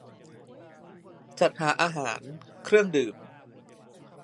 -จัดหาอาหาร-เครื่องดื่ม